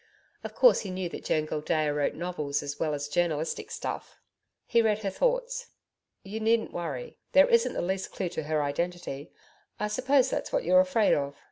Of course he knew that Joan Gildea wrote novels as well as journalistic stuff. He read her thoughts. 'You needn't worry. There isn't the least clue to her identity I suppose that's what you're afraid of.